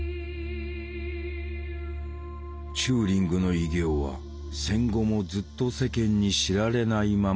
チューリングの偉業は戦後もずっと世間に知られないままとなった。